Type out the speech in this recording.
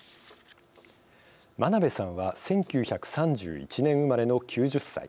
真鍋さんは１９３１年生まれの９０歳。